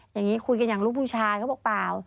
อย่างนี้คุยกันอย่างลูกผู้ชายเขาบอกเปล่า